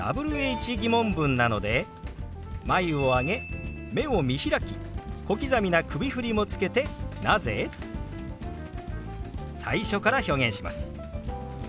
ー疑問文なので眉を上げ目を見開き小刻みな首振りもつけて「なぜ？」。最初から表現します。